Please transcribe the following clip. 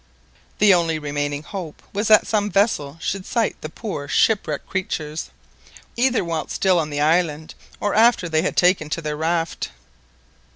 The only remaining hope was that some vessel should sight the poor shipwrecked creatures, either whilst still on the island, or after they had taken to their raft.